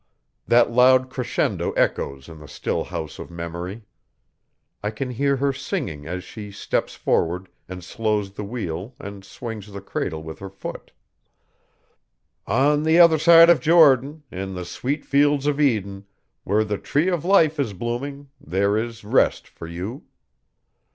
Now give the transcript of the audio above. That loud crescendo echoes in the still house of memory. I can hear her singing as she steps forward and slows the wheel and swings the cradle with her foot: 'On the other side of Jordan, In the sweet fields of Eden, Where the tree of Life is blooming, There is rest for you.